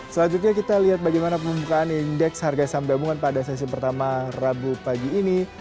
selanjutnya kita lihat bagaimana pembukaan indeks harga saham gabungan pada sesi pertama rabu pagi ini